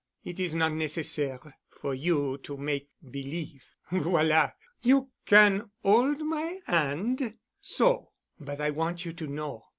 It is not necessaire for you to make believe. Voila! You can 'old my 'and. So. But I want you to know.